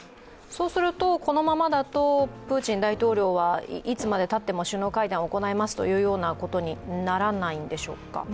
そうすると、このままだとプーチン大統領はいつまでたっても首脳会談を行いますということにならないんでしょうか。